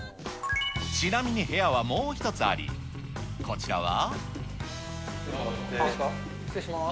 ちなみに部屋はもう一つあり、こちらは。